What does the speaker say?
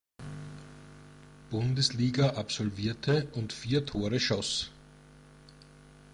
Bundesliga absolvierte und vier Tore schoss.